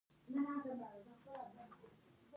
زه د هري ورځي لپاره هدف لرم.